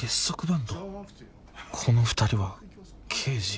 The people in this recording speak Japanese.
この２人は刑事？